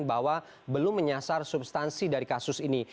bahwa belum menyasar substansi dari kasus ini